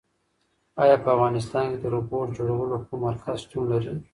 ایا په افغانستان کې د روبوټ جوړولو کوم مرکز شتون لري؟